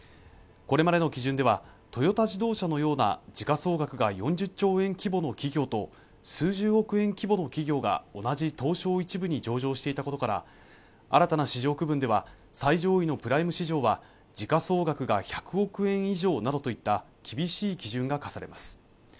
これまでの基準ではトヨタ自動車のような時価総額が４０兆円規模の企業と数十億円規模の企業が同じ東証一部に上場していたことから新たな市場区分では最上位のプライム市場は時価総額が１００億円以上などといった厳しい基準が課されます